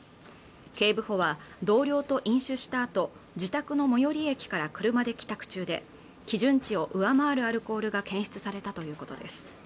警部補は同僚と飲酒したあと自宅の最寄り駅から車で帰宅中で基準値を上回るアルコールが検出されたということです